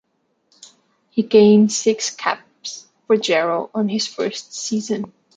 He gained six caps for Jaro on his first season.